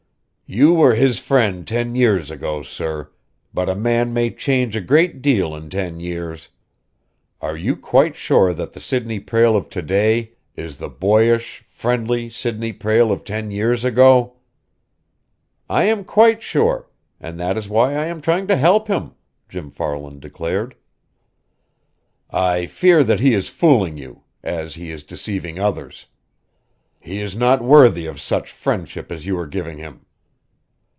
"You were his friend ten years ago, sir, but a man may change a great deal in ten years. Are you quite sure that the Sidney Prale of to day is the boyish, friendly Sidney Prale of ten years ago?" "I am quite sure; and that is why I am trying to help him," Jim Farland declared. "I fear that he is fooling you as he is deceiving others. He is not worthy of such friendship as you are giving him."